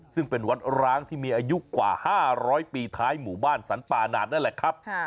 ซึ่งเป็นวัดร้างที่มีอายุกว่า๕๐๐ปีท้ายหมู่บ้านสรรป่าหนาดนั่นแหละครับ